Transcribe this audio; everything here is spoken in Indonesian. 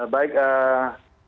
baik pak juga